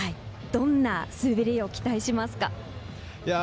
どんな滑りを期待しますか？